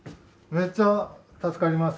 めっちゃ助かります。